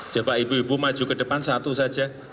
coba ibu ibu maju ke depan satu saja